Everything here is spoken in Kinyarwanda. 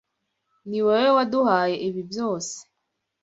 Niwowe waduhaye ibi byose.